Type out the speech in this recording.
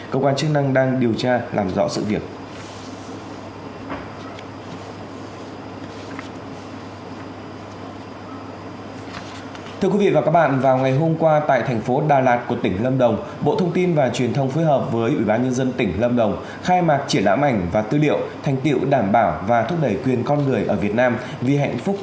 công an chức năng đang điều tra làm rõ sự việc